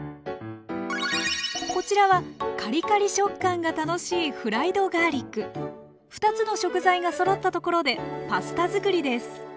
こちらはカリカリ食感が楽しい２つの食材がそろったところでパスタ作りです。